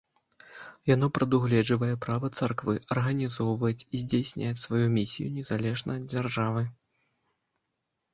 Яно прадугледжвае права царквы арганізоўваць і здзейсняць сваю місію незалежна ад дзяржавы.